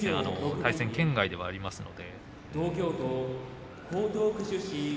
対戦圏外ではありますので。